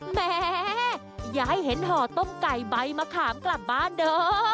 แหมอย่าให้เห็นห่อต้มไก่ใบมะขามกลับบ้านเด้อ